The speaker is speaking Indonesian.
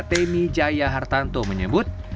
temi jaya hartanto menyebut